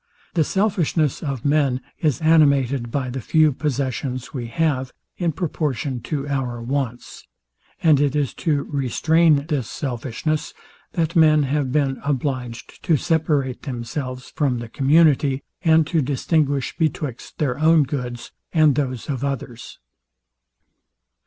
The selfishness of men is animated by the few possessions we have, in proportion to our wants; and it is to restrain this selfishness, that men have been obliged to separate themselves from the community, and to distinguish betwixt their own goods and those of others.